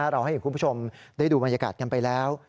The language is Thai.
เราให้คุณผู้ชมได้ดูบรรยากาศกันไปแล้ว